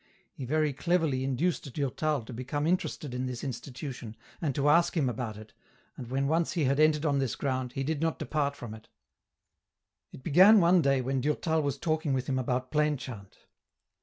He very cleverly induced Durtal to become interested in this institution, and to ask him about it, and when once he had entered on this ground, he did not depart from it. EN ROUTE. 91 It began one day when Durtal was talking with him about plain chant.